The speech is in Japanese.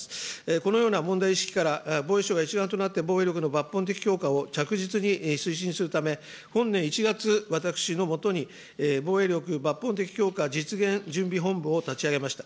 このような問題意識から、防衛省が一丸となって防衛力の抜本的強化を着実に推進するため、本年１月、私の下に防衛力抜本的強化実現準備本部を立ち上げました。